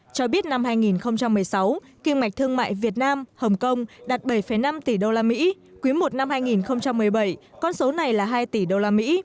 cho biết năm hai nghìn một mươi sáu kim ngạch thương mại việt nam hồng kông đạt bảy năm tỷ usd quyếm một năm hai nghìn một mươi bảy con số này là hai tỷ usd